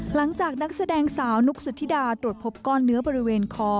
นักแสดงสาวนุกสุธิดาตรวจพบก้อนเนื้อบริเวณคอ